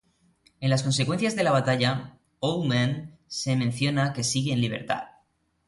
En las consecuencias de la batalla, Owlman se menciona que sigue en libertad.